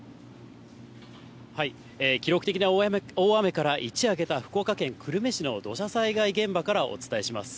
記録的な大雨から一夜明けた、福岡県久留米市の土砂災害現場からお伝えします。